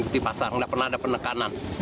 tidak pernah ada penekanan